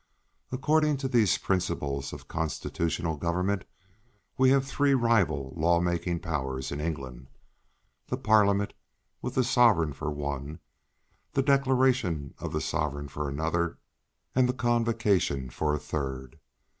According to these principles of constitutional government we have three rival law making powers in England—the Parliament, with the Sovereign for one; the Declaration of the Sovereign for another; and Convocation for a third.